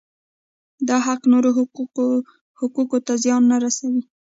دا حق نورو حقوقو ته زیان نه رسوي.